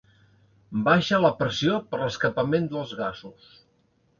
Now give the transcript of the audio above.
Baixa la pressió per l'escapament dels gasos.